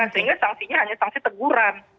sehingga sanksinya hanya sanksi teguran